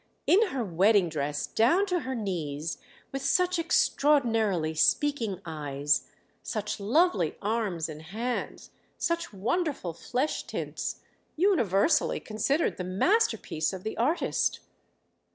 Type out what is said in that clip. —in her wedding dress, down to her knees; with such extraordinarily speaking eyes, such lovely arms and hands, such wonderful flesh tints: universally considered the masterpiece of the artist."